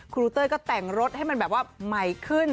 ครูเต้ยก็แต่งรถให้มันแบบว่าใหม่ขึ้น